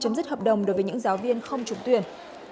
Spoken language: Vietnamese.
chấm dứt hợp đồng đối với những giáo viên không trúng tuyển